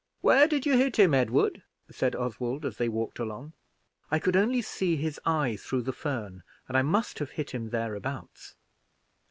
"Where did you hit him, Edward?" said Oswald, as they walked along. "I could only see his eye through the fern, and I must have hit him thereabouts."